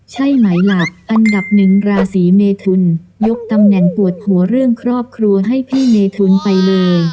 ใช่ไหมล่ะอันดับหนึ่งราศีเมทุนยกตำแหน่งปวดหัวเรื่องครอบครัวให้พี่เมทุนไปเลย